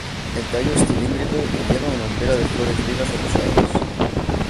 El tallo es cilíndrico y lleva una umbela de flores lilas o rosadas.